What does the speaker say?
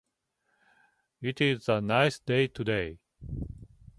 It is a nice day today.